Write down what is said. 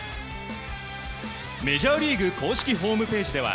メジャーリーグ公式ホームページでは